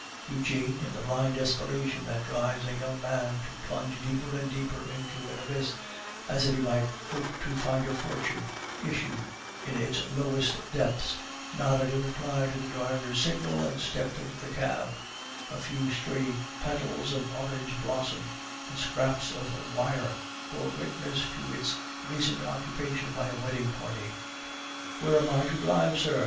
Eugene, in the blind desperation that drives a young man to plunge deeper and deeper into an abyss, as if he might hope to find a fortunate issue in its lowest depths, nodded in reply to the driver's signal, and stepped into the cab; a few stray petals of orange blossom and scraps of wire bore witness to its recent occupation by a wedding party. "Where am I to drive, sir?"